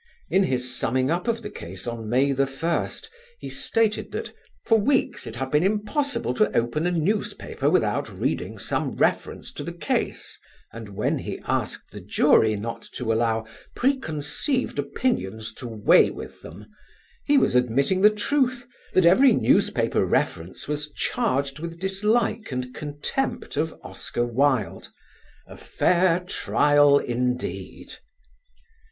In his summing up of the case on May 1st he stated that "for weeks it had been impossible to open a newspaper without reading some reference to the case," and when he asked the jury not to allow "preconceived opinions to weigh with them" he was admitting the truth that every newspaper reference was charged with dislike and contempt of Oscar Wilde. A fair trial indeed!